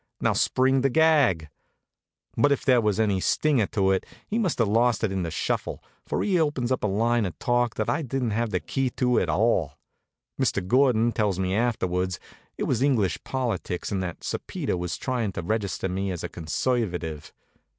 "Now, spring the gag." But if there was a stinger to it, he must have lost it in the shuffle; for he opens up a line of talk that I didn't have the key to at all. Mr. Gordon tells me afterwards it was English politics and that Sir Peter was tryin' to register me as a Conservative.